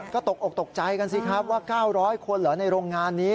ก็ตกอกตกใจกันสิครับว่า๙๐๐คนเหรอในโรงงานนี้